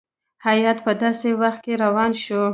هیات په داسي وخت کې روان شو.